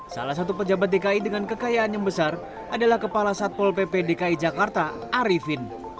salah satu pejabat dki dengan kekayaan yang besar adalah kepala satpol pp dki jakarta arifin